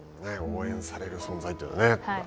応援される存在というのは。